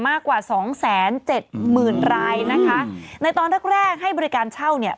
มากกว่าสองแสนเจ็ดหมื่นรายนะคะในตอนแรกแรกให้บริการเช่าเนี่ย